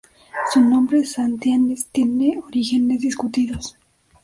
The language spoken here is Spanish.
Su nombre, "Santianes", tiene orígenes discutidos.